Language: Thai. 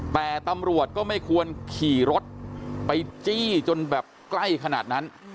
แต่ตำรวจก็ไม่ควรขี่รถไปจี้จนแบบใกล้ขนาดนั้น